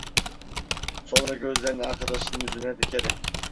Sonra gözlerini arkadaşının yüzüne dikerek: